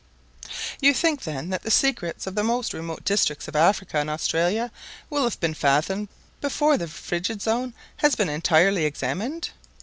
"You think, then, that the secrets of the most remote districts of Africa and Australia will have been fathomed before the Frigid Zone has been entirely examined?"